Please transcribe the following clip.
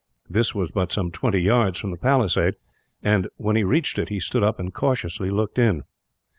This was but some twenty yards from the palisade and, when he reached it, he stood up and cautiously looked in.